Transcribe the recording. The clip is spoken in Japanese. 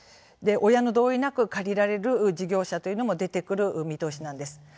親の同意なく借りられる事業者というのも出てくる見通しなんです。